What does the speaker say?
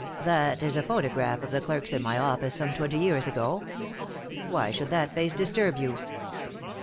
"That is a photograph of the clerks in my office some twenty years ago. Why should that face disturb you?"